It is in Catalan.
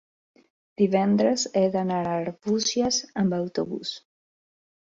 divendres he d'anar a Arbúcies amb autobús.